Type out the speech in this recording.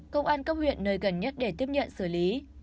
công an cấp huyện nơi gần nhất để tiếp nhận xử lý